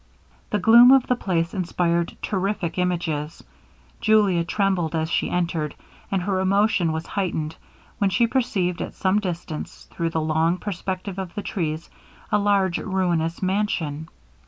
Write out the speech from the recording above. The gloom of the place inspired terrific images. Julia trembled as she entered; and her emotion was heightened, when she perceived at some distance, through the long perspective of the trees, a large ruinous mansion.